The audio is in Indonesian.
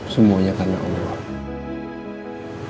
semuanya karena allah